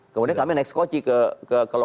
kemudian kami naik skoci ke lokasi